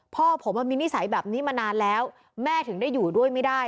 พ่อผมมีนิสัยแบบนี้มานานแล้วแม่ถึงได้อยู่ด้วยไม่ได้